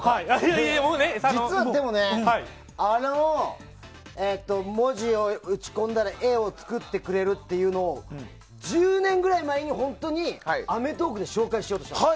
でも、実はね、文字を打ち込んだら絵を作ってくれるというのを１０年ぐらい前に、本当に「アメトーーク！」で紹介しようとしたの。